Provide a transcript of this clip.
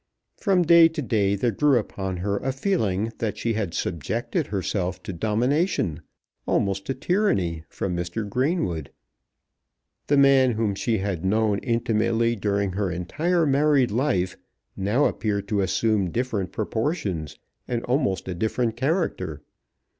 From day to day there grew upon her a feeling that she had subjected herself to domination, almost to tyranny from Mr. Greenwood. The man whom she had known intimately during her entire married life now appeared to assume different proportions and almost a different character.